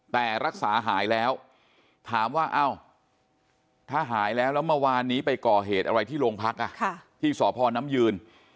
แต่รักษาหายแล้วถามว่าอ้าวถ้าหายแล้วแล้วเมื่อวานนี้ไปก่อเหตุอะไรที่โรงพักที่สพน้ำยืน